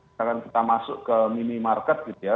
misalkan kita masuk ke minimarket gitu ya